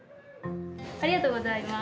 ありがとうございます。